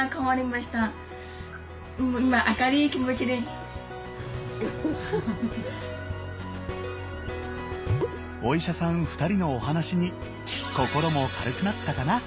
私は親がお医者さん２人のお話に心も軽くなったかな？